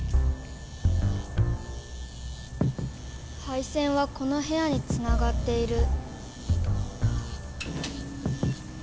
はい線はこのへやにつながっている。